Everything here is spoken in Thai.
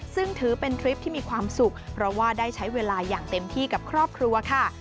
ซึ่งถือเป็นทริปที่มีความสุขเพราะว่าได้ใช้เวลาอย่างเต็มที่กับครอบครัวค่ะ